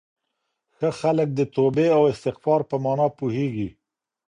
ښه خلک د توبې او استغفار په مانا پوهېږي.